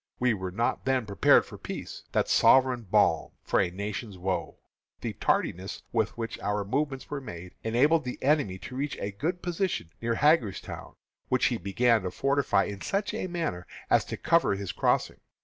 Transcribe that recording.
We were not then prepared for peace, that sovereign balm for a nation's woes. The tardiness with which our movements were made enabled the enemy to reach a good position near Hagerstown, which he began to fortify in such a manner as to cover his crossing.